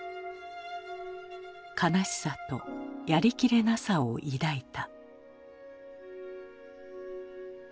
悲しさとやりきれなさを抱いた。